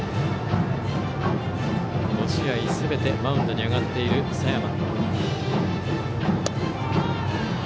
５試合すべてマウンドに上がっている佐山。